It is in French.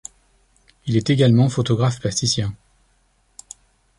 Il est également photographe plasticien.